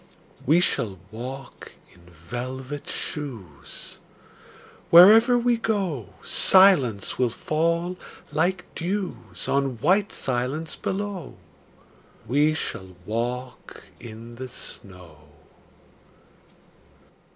We shall walk in velvet shoes: Wherever we go Silence will fall like dews On white silence below. We shall walk in the snow.